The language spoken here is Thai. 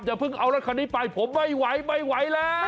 เพิ่งเอารถคันนี้ไปผมไม่ไหวไม่ไหวแล้ว